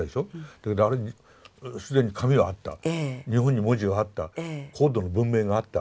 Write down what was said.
だけどあれ既に紙はあった日本に文字はあった高度の文明があった。